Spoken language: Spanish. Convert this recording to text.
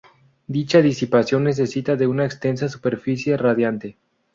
Dicha disipación necesita de una extensa superficie radiante.